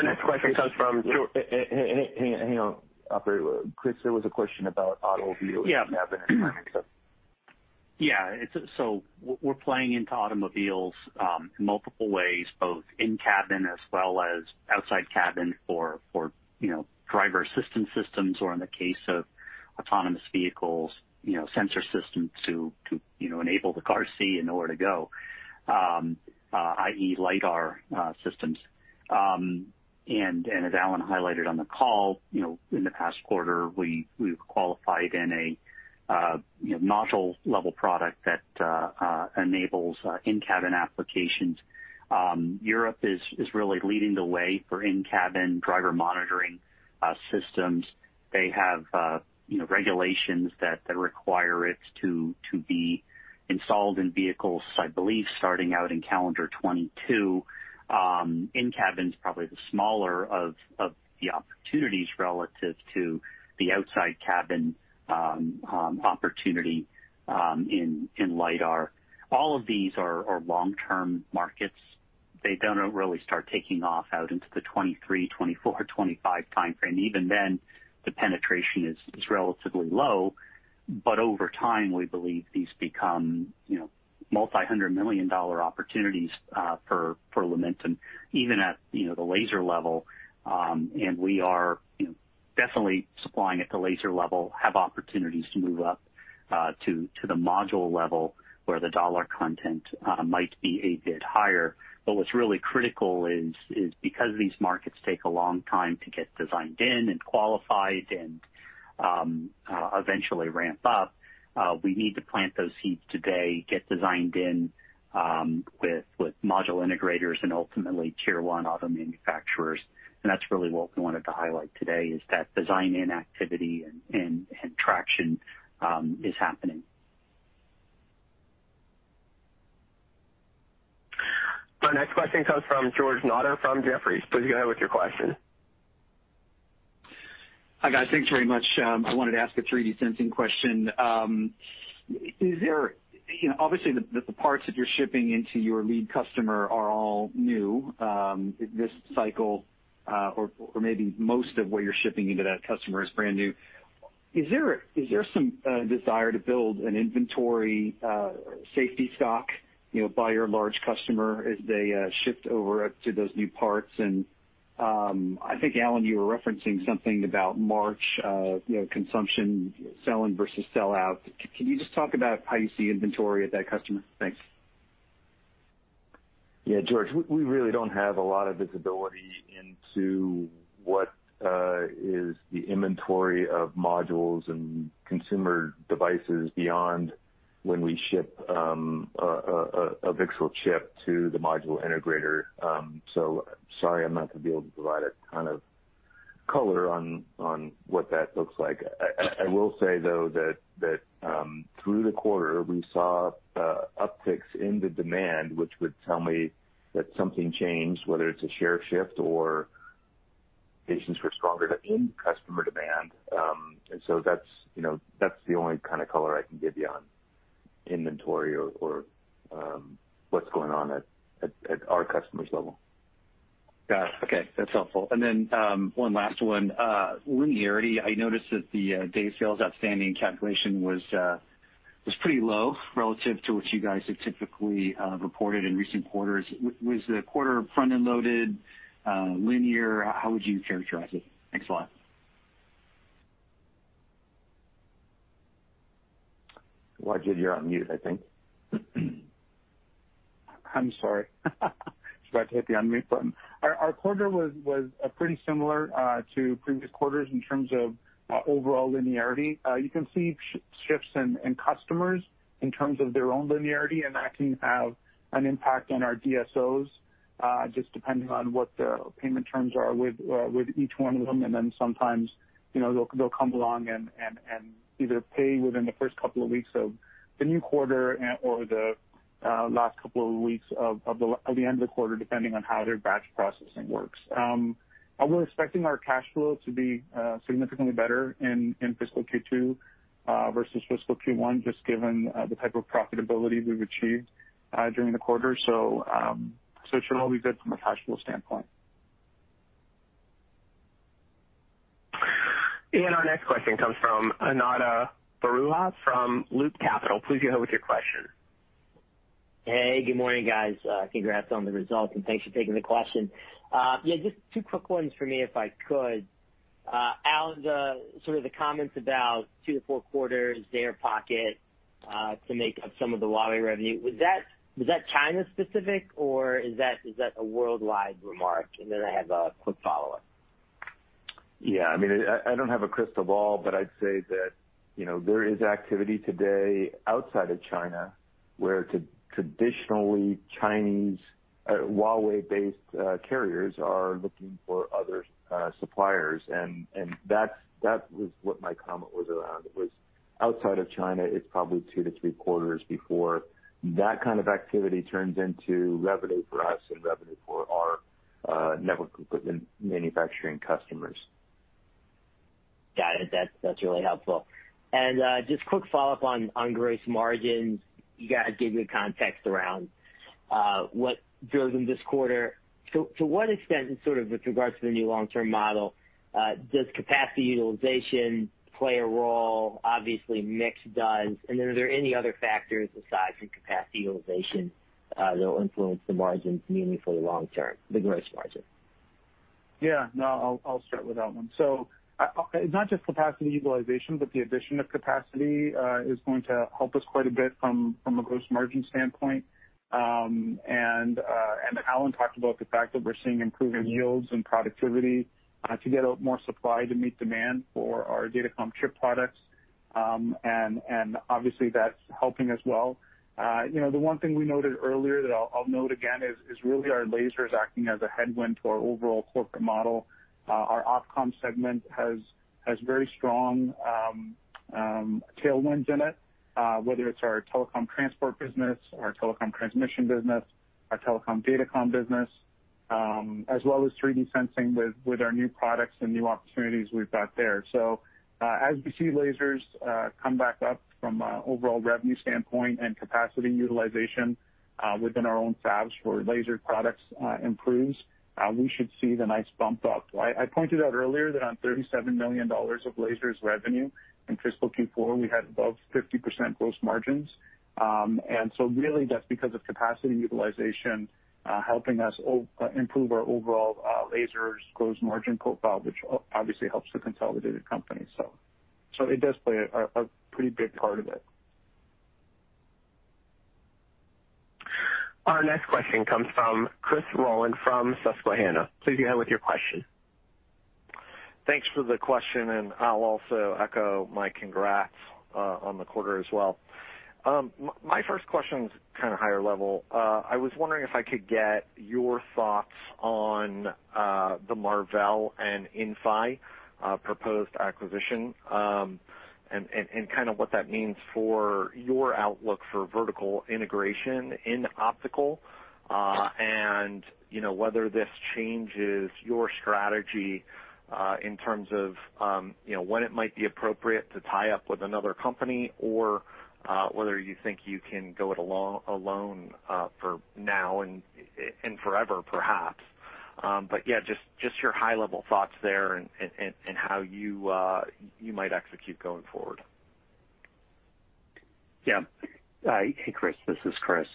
Next question comes from Hang on, operator. Chris, there was a question about automobile- Yeah Cabin stuff. Yeah. We're playing into automobiles, in multiple ways, both in-cabin as well as outside cabin for driver assistance systems or in the case of autonomous vehicles, sensor systems to enable the car to see and know where to go, i.e., lidar systems. As Alan highlighted on the call, in the past quarter, we've qualified in a module-level product that enables in-cabin applications. Europe is really leading the way for in-cabin driver monitoring systems. They have regulations that require it to be installed in vehicles, I believe, starting out in calendar 2022. In-cabin's probably the smaller of the opportunities relative to the outside cabin opportunity in lidar. All of these are long-term markets. They don't really start taking off out into the 2023, 2024, 2025 timeframe. Even then, the penetration is relatively low. Over time, we believe these become multi-hundred million dollar opportunities for Lumentum, even at the laser level. We are definitely supplying at the laser level, have opportunities to move up to the module level, where the dollar content might be a bit higher. What's really critical is, because these markets take a long time to get designed in and qualified and eventually ramp up, we need to plant those seeds today, get designed in with module integrators and ultimately Tier 1 auto manufacturers. That's really what we wanted to highlight today, is that design-in activity and traction is happening. Our next question comes from George Notter from Jefferies. Please go ahead with your question. Hi, guys. Thanks very much. I wanted to ask a 3D sensing question. Obviously, the parts that you're shipping into your lead customer are all new this cycle or maybe most of what you're shipping into that customer is brand new. Is there some desire to build an inventory safety stock by your large customer as they shift over to those new parts? I think, Alan, you were referencing something about March consumption sell-in versus sell-out. Can you just talk about how you see inventory at that customer? Thanks. Yeah, George, we really don't have a lot of visibility into what is the inventory of modules and consumer devices beyond when we ship a VCSEL chip to the module integrator. Sorry, I'm not going to be able to provide a ton of color on what that looks like. I will say, though, that through the quarter, we saw upticks in the demand, which would tell me that something changed, whether it's a share shift or phasing were stronger in customer demand. That's the only kind of color I can give you on inventory or what's going on at our customer's level. Got it. Okay, that's helpful. One last one. Linearity, I noticed that the days sales outstanding calculation was pretty low relative to what you guys have typically reported in recent quarters. Was the quarter front-end loaded, linear? How would you characterize it? Thanks a lot. Wajid, you're on mute, I think. I'm sorry. Forgot to hit the unmute button. Our quarter was pretty similar to previous quarters in terms of overall linearity. That can have an impact on our DSOs, just depending on what the payment terms are with each one of them. Sometimes, they'll come along and either pay within the first couple of weeks of the new quarter or the last couple of weeks of the end of the quarter, depending on how their batch processing works. We're expecting our cash flow to be significantly better in fiscal Q2 versus fiscal Q1, just given the type of profitability we've achieved during the quarter. It should all be good from a cash flow standpoint. Our next question comes from Ananda Baruah from Loop Capital. Please go ahead with your question. Hey, good morning, guys. Congrats on the results, and thanks for taking the question. Yeah, just two quick ones for me, if I could. Alan, sort of the comments about two to four quarters, their pocket, to make up some of the Huawei revenue, was that China specific, or is that a worldwide remark? I have a quick follow-up. Yeah. I don't have a crystal ball, but I'd say that there is activity today outside of China where traditionally Chinese Huawei-based carriers are looking for other suppliers, and that was what my comment was around. It was outside of China, it's probably two to three quarters before that kind of activity turns into revenue for us and revenue for our network equipment manufacturing customers. Got it. That's really helpful. Just quick follow-up on gross margins. You guys gave good context around what drove them this quarter. To what extent, and sort of with regards to the new long-term model, does capacity utilization play a role? Obviously, mix does. Are there any other factors besides the capacity utilization that'll influence the margins meaningfully long term, the gross margin? Yeah. No, I'll start with that one. It's not just capacity utilization, but the addition of capacity is going to help us quite a bit from a gross margin standpoint. Alan talked about the fact that we're seeing improving yields and productivity to get more supply to meet demand for our datacom chip products. Obviously, that's helping as well. The one thing we noted earlier that I'll note again is really our lasers acting as a headwind to our overall corporate model. Our OpCom segment has very strong tailwinds in it, whether it's our telecom transport business or our telecom transmission business, our telecom datacom business, as well as 3D sensing with our new products and new opportunities we've got there. As we see lasers come back up from an overall revenue standpoint and capacity utilization within our own fabs for laser products improves, we should see the nice bump up. I pointed out earlier that on $37 million of lasers revenue in fiscal Q4, we had above 50% gross margins. Really that's because of capacity utilization helping us improve our overall lasers gross margin profile, which obviously helps the consolidated company. It does play a pretty big part of it. Our next question comes from Chris Rolland from Susquehanna. Please go ahead with your question. Thanks for the question. I'll also echo my congrats on the quarter as well. My first question is kind of higher level. I was wondering if I could get your thoughts on the Marvell and Inphi proposed acquisition, and what that means for your outlook for vertical integration in optical. Whether this changes your strategy in terms of when it might be appropriate to tie up with another company or whether you think you can go it alone for now and forever perhaps. Yeah, just your high-level thoughts there and how you might execute going forward. Yeah. Hey, Chris, this is Chris.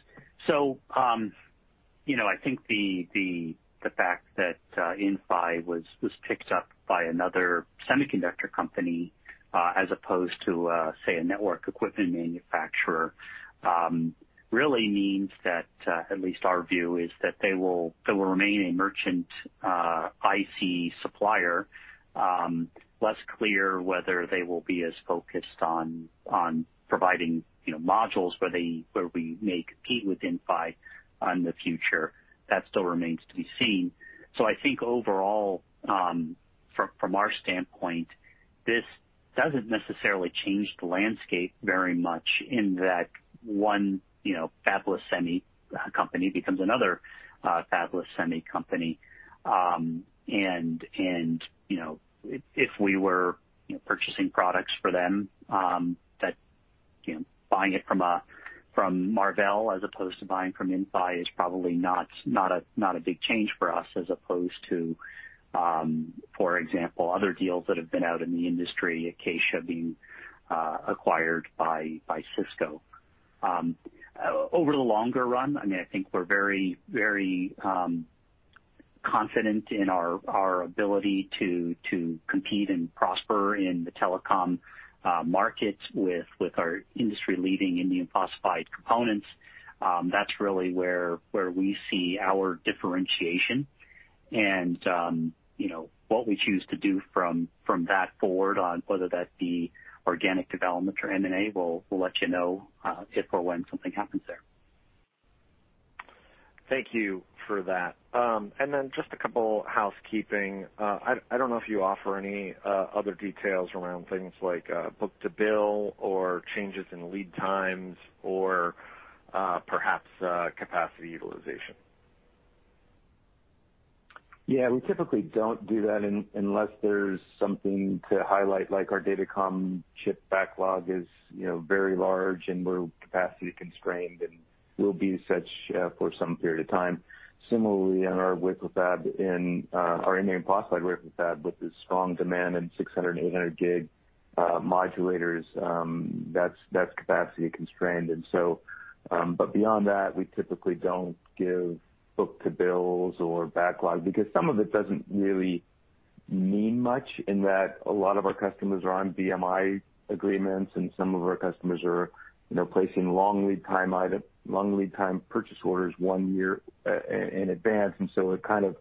I think the fact that Inphi was picked up by another semiconductor company, as opposed to, say, a network equipment manufacturer, really means that, at least our view is that they will remain a merchant IC supplier. Less clear whether they will be as focused on providing modules where we may compete with Inphi in the future. That still remains to be seen. I think overall, from our standpoint, this doesn't necessarily change the landscape very much in that one fabless semi company becomes another fabless semi company. If we were purchasing products for them, buying it from Marvell as opposed to buying from Inphi is probably not a big change for us as opposed to, for example, other deals that have been out in the industry, Acacia being acquired by Cisco. Over the longer run, I think we're very confident in our ability to compete and prosper in the telecom markets with our industry-leading indium phosphide components. That's really where we see our differentiation. What we choose to do from that forward on whether that be organic development or M&A, we'll let you know if or when something happens there. Thank you for that. Just a couple housekeeping. I don't know if you offer any other details around things like book-to-bill or changes in lead times or perhaps capacity utilization. Yeah. We typically don't do that unless there's something to highlight, like our datacom chip backlog is very large and we're capacity constrained, and we'll be such for some period of time. Similarly, on our wafer fab in our indium phosphide wafer fab, with the strong demand in 600, 800 gig modulators, that's capacity constrained. Beyond that, we typically don't give book-to-bills or backlog because some of it doesn't really mean much in that a lot of our customers are on VMI agreements, and some of our customers are placing long lead time purchase orders one year in advance. It kind of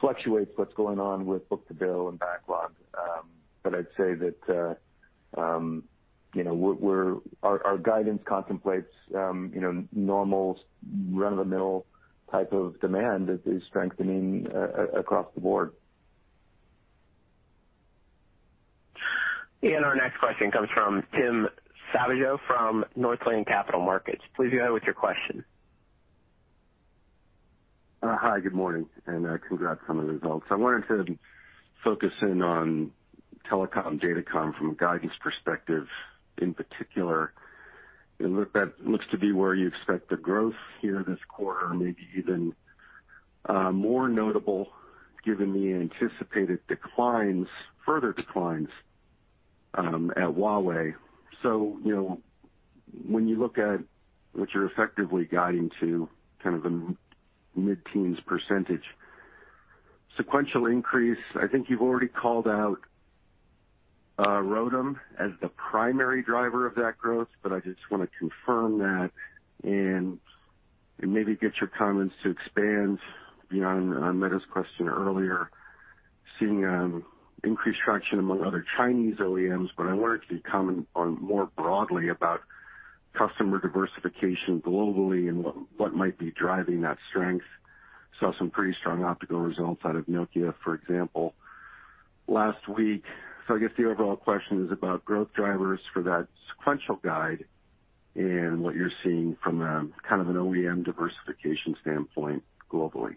fluctuates what's going on with book-to-bill and backlog. I'd say that our guidance contemplates normal run-of-the-mill type of demand that is strengthening across the board. Our next question comes from Tim Savageaux from Northland Capital Markets. Please go ahead with your question. Hi, good morning, and congrats on the results. I wanted to focus in on telecom/datacom from a guidance perspective in particular. It looks to be where you expect the growth here this quarter, maybe even more notable given the anticipated further declines at Huawei. When you look at what you're effectively guiding to, a mid-teens percentage sequential increase, I think you've already called out ROADM as the primary driver of that growth, I just want to confirm that and maybe get your comments to expand beyond another's question earlier, seeing increased traction among other Chinese OEMs. I wanted to comment on more broadly about customer diversification globally and what might be driving that strength. Saw some pretty strong optical results out of Nokia, for example, last week. I guess the overall question is about growth drivers for that sequential guide and what you're seeing from an OEM diversification standpoint globally.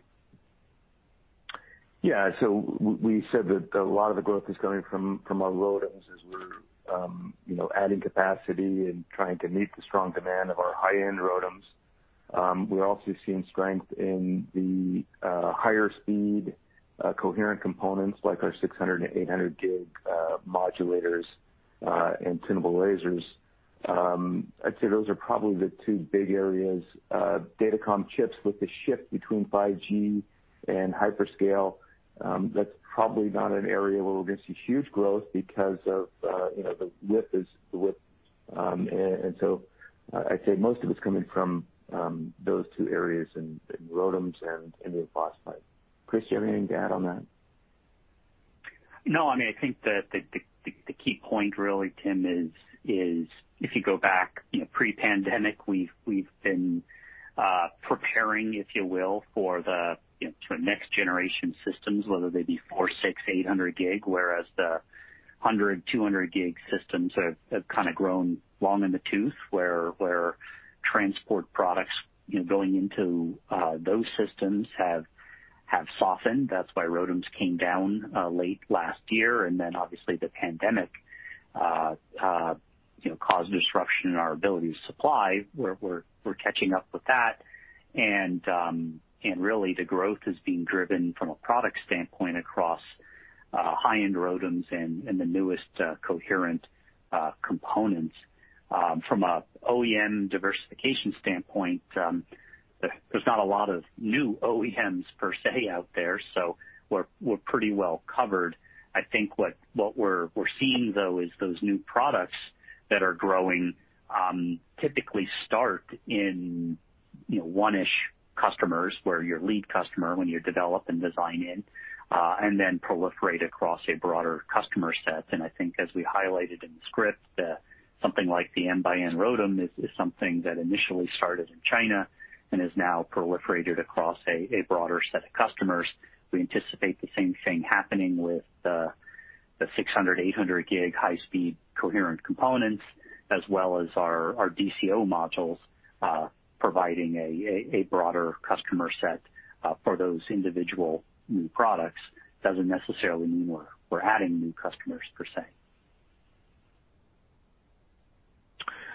We said that a lot of the growth is coming from our ROADMs as we're adding capacity and trying to meet the strong demand of our high-end ROADMs. We're also seeing strength in the higher speed coherent components, like our 600 and 800G modulators and tunable lasers. I'd say those are probably the two big areas. Datacom chips with the shift between 5G and hyperscale, that's probably not an area where we're going to see huge growth because of the width. I'd say most of it's coming from those two areas, in ROADMs and indium phosphide. Chris, do you have anything to add on that? I think the key point really, Tim, is if you go back pre-pandemic, we've been preparing, if you will, for the next generation systems, whether they be 400G, 600G, 800G, whereas the 100G, 200G systems have grown long in the tooth, where transport products going into those systems have softened. That's why ROADMs came down late last year. Obviously the pandemic caused a disruption in our ability to supply. We're catching up with that. Really, the growth is being driven from a product standpoint across high-end ROADMs and the newest coherent components. From an OEM diversification standpoint, there's not a lot of new OEMs per se out there, so we're pretty well covered. I think what we're seeing, though, is those new products that are growing typically start in one-ish customers, where your lead customer, when you develop and design in, and then proliferate across a broader customer set. I think as we highlighted in the script, something like the N-by-N ROADM is something that initially started in China and has now proliferated across a broader set of customers. We anticipate the same thing happening with the 600, 800G high-speed coherent components, as well as our DCO modules providing a broader customer set for those individual new products. Doesn't necessarily mean we're adding new customers per se.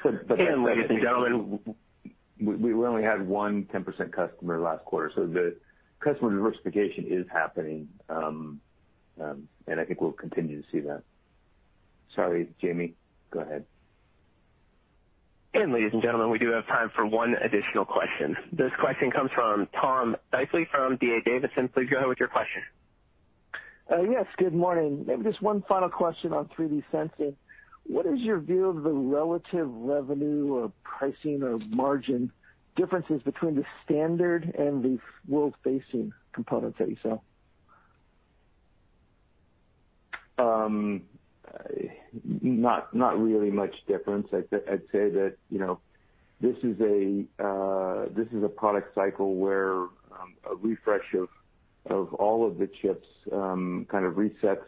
Ladies and gentlemen, we only had one 10% customer last quarter. The customer diversification is happening. I think we'll continue to see that. Sorry, Jamie, go ahead. Ladies and gentlemen, we do have time for one additional question. This question comes from Tom Diffely from D.A. Davidson. Please go ahead with your question. Yes, good morning. Maybe just one final question on 3D sensing. What is your view of the relative revenue or pricing or margin differences between the standard and the world-facing components that you sell? Not really much difference. I'd say that this is a product cycle where a refresh of all of the chips resets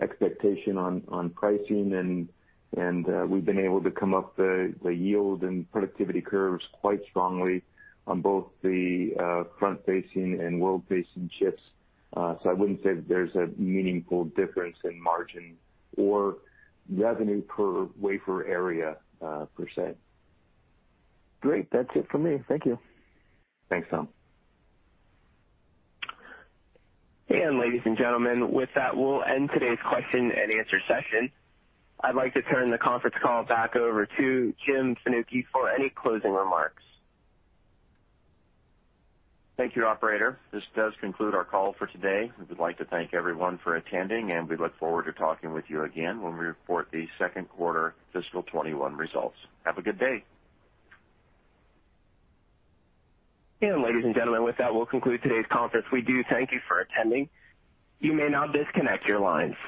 expectation on pricing, and we've been able to come up the yield and productivity curves quite strongly on both the front-facing and world-facing chips. I wouldn't say that there's a meaningful difference in margin or revenue per wafer area, per se. Great. That's it for me. Thank you. Thanks, Tom. Ladies and gentlemen, with that, we'll end today's question and answer session. I'd like to turn the conference call back over to Jim Fanucchi for any closing remarks. Thank you, operator. This does conclude our call for today. We would like to thank everyone for attending, and we look forward to talking with you again when we report the second quarter fiscal 2021 results. Have a good day. Ladies and gentlemen, with that, we'll conclude today's conference. We do thank you for attending. You may now disconnect your lines.